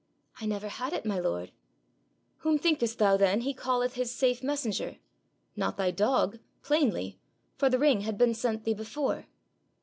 'I never had it, my lord.' 'Whom thinkest thou then he calleth his safe messenger? Not thy dog plainly, for the ring had been sent thee before.'